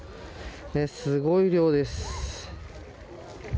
すごい量です。